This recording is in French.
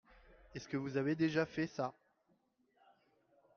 Est-ce que vous avez déjà fait ça ?